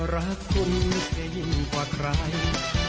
รักคุณจะยิ่งกว่าใคร